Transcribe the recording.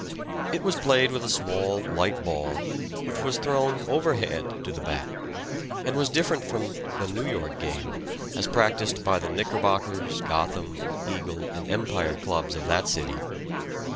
It was played with a small, light ball, which was thrown over hand to the bat, and was different from the "New York game" as practiced by the Knickerbockers, Gotham, Eagle, and Empire Clubs of that city.